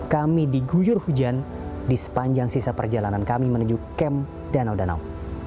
kami diguyur hujan di sepanjang sisa perjalanan kami menuju kem danau danau